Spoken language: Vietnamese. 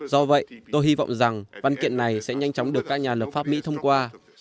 do vậy tôi hy vọng rằng văn kiện này sẽ nhanh chóng được các nhà lập pháp mỹ thông qua